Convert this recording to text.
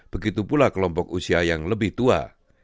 begitu pula kelompok usia yang lebih tua